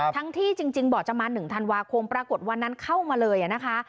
ที่จริงบ่อจะมา๑ธันวาคมปรากฏวันนั้นเข้ามาเลยนะคะ